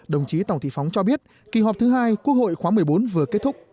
đồng chí tòng thị phóng cho biết kỳ họp thứ hai quốc hội khóa một mươi bốn vừa kết thúc